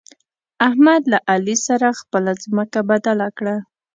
احمد له علي سره خپله ځمکه بدله کړه.